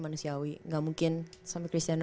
manusiawi gak mungkin sama cristiano